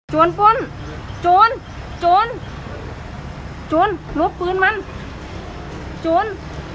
โจรปุ้นโจรโจรโจรโน้มปืนมันโจร